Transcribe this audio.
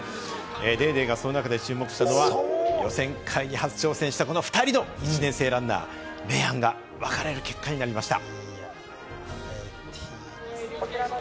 『ＤａｙＤａｙ．』がその中で注目したのは予選会に初挑戦したこの２人の１年生ランナー、明暗がわかれる結果になりました。